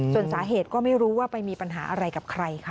ส่วนสาเหตุก็ไม่รู้ว่าไปมีปัญหาอะไรกับใครค่ะ